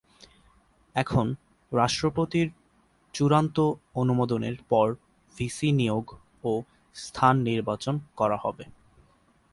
এখন রাষ্ট্রপতির চূড়ান্ত অনুমোদনের পর ভিসি নিয়োগ ও স্থান নির্বাচন করা হবে।